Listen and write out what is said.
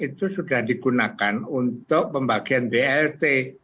itu sudah digunakan untuk pembagian blt